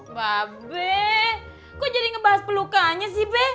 mbak be kok jadi ngebahas pelukanya sih be